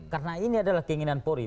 karena ini adalah keinginan pori